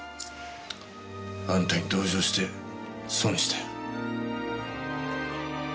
あんたに同情して損したよ。